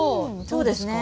そうですね。